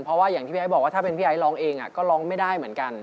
เพราะว่าอย่างที่พี่ไอ้บอกว่าถ้าเป็นพี่ไอ้ร้องเองก็ร้องไม่ได้เหมือนกัน